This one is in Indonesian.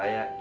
ayah gini ya